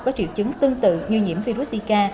có triệu chứng tương tự như nhiễm virus zika